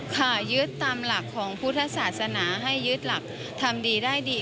ค่ะยึดตามหลักของพุทธศาสนาให้ยึดหลักทำดีได้ดี